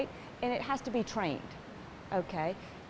dan harus dilatih